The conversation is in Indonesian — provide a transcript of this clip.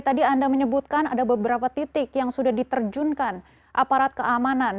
tadi anda menyebutkan ada beberapa titik yang sudah diterjunkan aparat keamanan